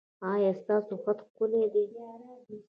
ایا ستاسو خط ښکلی دی؟